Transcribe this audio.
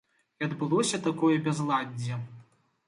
І адбылося такое бязладдзе.